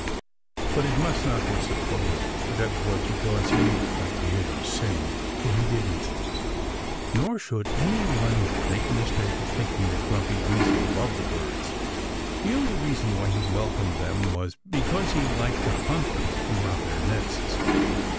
But it must not be supposed that it was because he liked to hear them sing (for he didn't!). Nor should any one make the mistake of thinking that Grumpy Weasel loved the birds. The only reason why he welcomed them was because he liked to hunt them, and rob their nests.